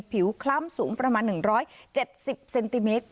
คล้ำสูงประมาณ๑๗๐เซนติเมตร